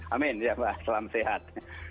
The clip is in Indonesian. amin ya mbak selamat sehat